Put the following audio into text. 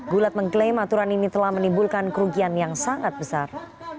gulat mengklaim aturan ini telah menimbulkan kerugian yang sangat besar